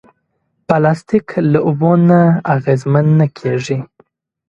پلاستيک له اوبو نه اغېزمن نه کېږي.